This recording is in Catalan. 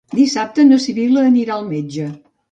Dissabte na Sibil·la anirà al metge.